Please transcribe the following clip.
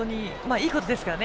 いいことですからね。